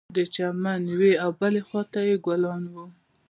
د چمن یوې او بلې خوا ته ګلونه وه.